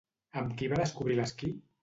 Amb qui va descobrir l'esquí?